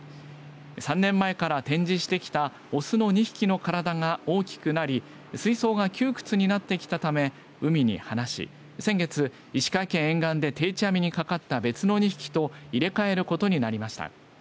３年前から展示してきた雄２匹の体が大きくなり水槽が窮屈になってきたため海に放し、先月、石川県沿岸で定置網にかかった別の２匹と入れ替えることになりました。